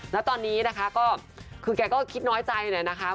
แล้วตอนนี้นะคะก็คือแกก็คิดน้อยใจแหละนะคะ